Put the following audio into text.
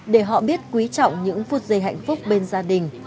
để họ biết quý trọng những phút giây hạnh phúc bên gia đình